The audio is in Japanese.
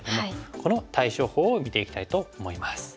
この対処法を見ていきたいと思います。